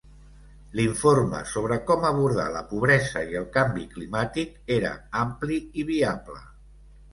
L'informe sobre com abordar la pobresa i el canvi climàtic era ampli i viable.